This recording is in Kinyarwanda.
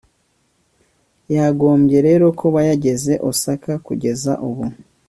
yagombye rero kuba yageze osaka kugeza ubu